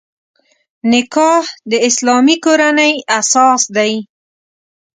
نکاح د اسلامي کورنۍ اساس دی.